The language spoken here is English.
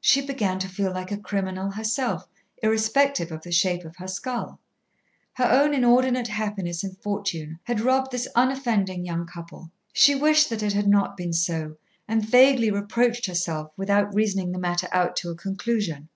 She began to feel like a criminal herself, irrespective of the shape of her skull. Her own inordinate happiness and fortune had robbed this unoffending young couple. She wished that it had not been so, and vaguely reproached herself without reasoning the matter out to a conclusion.